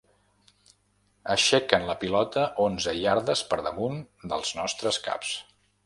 Aixequen la pilota onze iardes per damunt dels nostres caps.